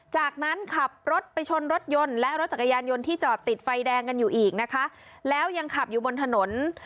จากนั้นขับรถไปชนรถยนต์และรถจักรยานยนต์ที่จอดติดไฟแดงกันอยู่อีกนะคะแล้วยังขับอยู่บนถนน